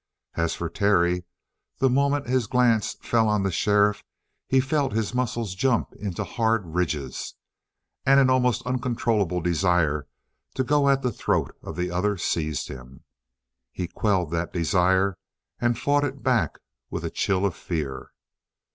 As for Terry, the moment his glance fell on the sheriff he felt his muscles jump into hard ridges, and an almost uncontrollable desire to go at the throat of the other seized him. He quelled that desire and fought it back with a chill of fear.